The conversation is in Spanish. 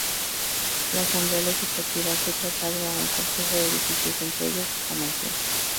La Asamblea Legislativa se trasladó a un complejo de edificios entre ellos esta mansión.